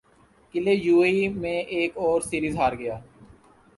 قلعے U A E میں ایک اور سیریز ہار گیا